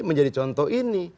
menjadi contoh ini